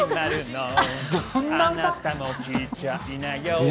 あなたも来ちゃいなよ。